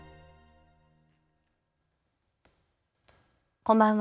こんばんは。